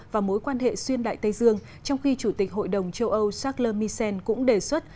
và mối quan hệ xuyên đại tây dương trong khi chủ tịch hội đồng châu âu charles misen cũng đề xuất